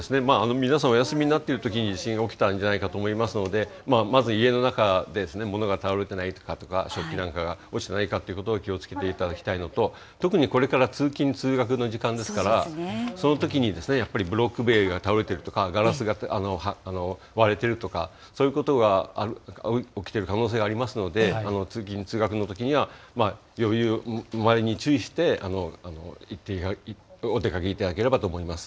皆さんお休みになっているときに地震が起きたんじゃないかと思いますので、まず家の中で物が倒れてないかとか、食器なんかが落ちてないかということを気をつけていただきたいのと、特にこれから通勤・通学の時間ですから、そのときにやっぱり、ブロック塀が倒れているとかガラスが割れているとか、そういうことが起きてる可能性がありますので、通勤・通学のときには、周りに注意してお出かけいただければと思います。